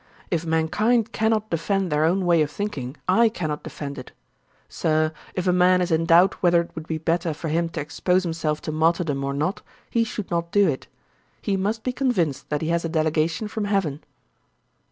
If mankind cannot defend their own way of thinking, I cannot defend it. Sir, if a man is in doubt whether it would be better for him to expose himself to martyrdom or not, he should not do it. He must be convinced that he has a delegation from heaven.'